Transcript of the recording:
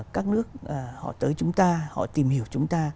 các nước họ tới chúng ta họ tìm hiểu chúng ta